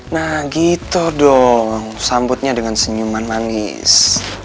nah gitu dong sambutnya dengan senyuman manis